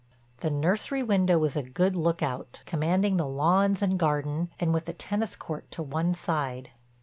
The nursery window was a good look out, commanding the lawns and garden and with the tennis court to one side.